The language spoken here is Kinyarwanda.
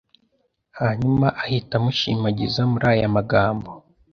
hanyuma ahita amushimagiza muri aya magambo.